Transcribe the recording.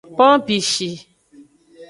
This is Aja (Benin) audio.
Pompishi.